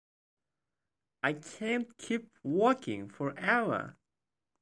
I can't keep walking forever.